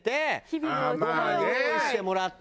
ごはん用意してもらって。